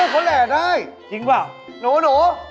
พ่อแหลได้ไหมครับ